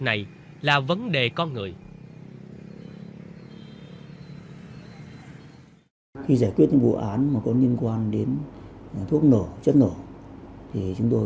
này là vấn đề con người khi giải quyết những vụ án mà có liên quan đến thuốc nổ chất nổ thì chúng tôi